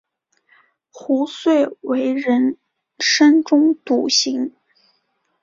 壶遂为人深中笃行。